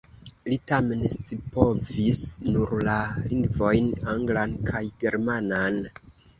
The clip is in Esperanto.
Li tamen scipovis nur la lingvojn anglan kaj germanan.